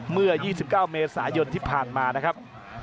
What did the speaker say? เมื่อ๒๙เมษายนที่ผ่านมานะครับ